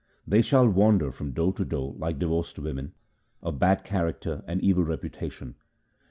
They shall wander from door to door like divorced women of bad character and evil reputation.